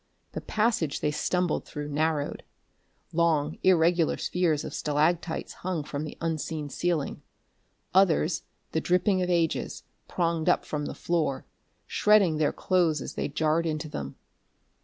The passage they stumbled through narrowed. Long irregular spears of stalactites hung from the unseen ceiling; others, the drippings of ages, pronged up from the floor, shredding their clothes as they jarred into them.